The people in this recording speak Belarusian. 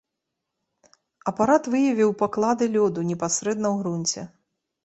Апарат выявіў паклады лёду непасрэдна ў грунце.